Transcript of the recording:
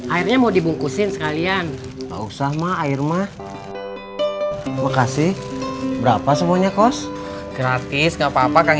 airnya mau dibungkusin sekalian usah ma air mah makasih berapa semuanya kos gratis nggak papa kang